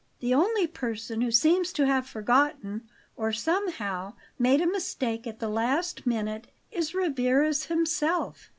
The only person who seems to have forgotten, or somehow made a mistake at the last minute, is Rivarez himself.